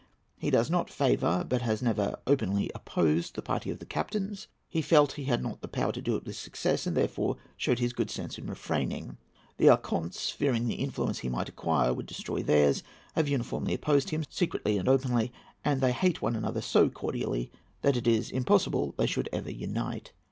He does not favour, but has never openly opposed, the party of the captains. He felt he had not the power to do it with success, and therefore showed his good sense in refraining. The Archontes, fearing the influence he might acquire would destroy theirs, have uniformly opposed him, secretly and openly; and they hate one another so cordially now that it is impossible they should ever unite.